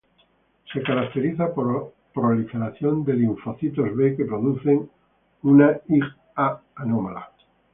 Se caracteriza por la proliferación de linfocitos B que producen una IgA anómala.